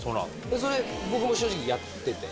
それ、僕も正直、やってて。